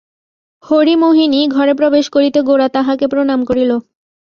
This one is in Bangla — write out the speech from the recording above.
হরিমোহিনী ঘরে প্রবেশ করিতে গোরা তাঁহাকে প্রণাম করিল।